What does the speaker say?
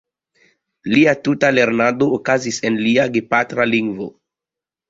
Lia tuta lernado okazis en lia gepatra lingvo.